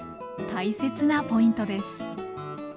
大切なポイントです。